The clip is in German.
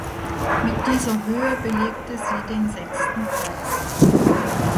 Mit dieser Höhe belegte sie den sechsten Platz.